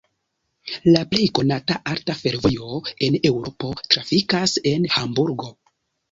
La plej konata alta fervojo en Eŭropo trafikas en Hamburgo.